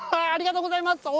ありがとうございます。